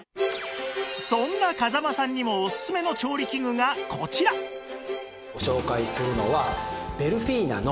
そんな風間さんにもオススメの調理器具がこちらご紹介するのは。